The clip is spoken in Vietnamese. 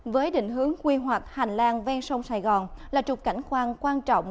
với định hướng quy hoạch hành lang ven sông sài gòn là trục cảnh khoan quan trọng